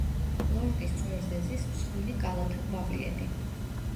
ყლორტის წვერზე ზის მსხვილი კალათა ყვავილედი.